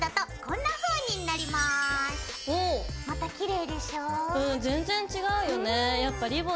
またきれいでしょ？